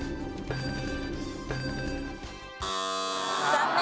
残念。